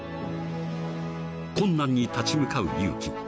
［困難に立ち向かう勇気］